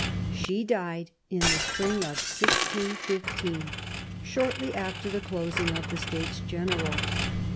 She died in the spring of 161 5, shortly after the closing of the States General.